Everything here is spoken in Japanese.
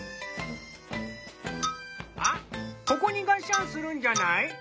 あっここにがっしゃんするんじゃない？